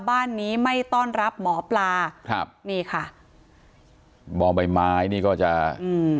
บ้านนี้ไม่ต้อนรับหมอปลาครับนี่ค่ะมองใบไม้นี่ก็จะอืม